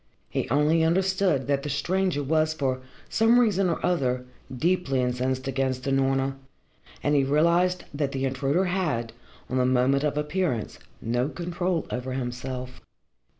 He only understood that the stranger was for some reason or other deeply incensed against Unorna, and he realised that the intruder had, on the moment of appearance, no control over himself.